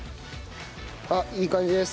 あっいい感じです。